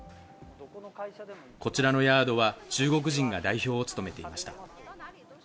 こちらのヤードは中国人が代表を務めていました。